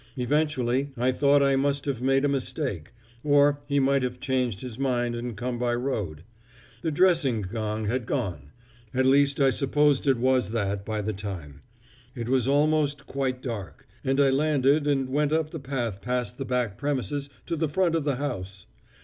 Eventually I thought I must have made a mistake, or he might have changed his mind and come by road. The dressing gong had gone; at least I supposed it was that by the time. It was almost quite dark, and I landed and went up the path past the back premises to the front of the house.